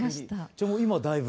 じゃあもう今だいぶ？